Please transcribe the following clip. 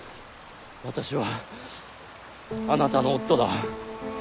私はあなたの夫だ。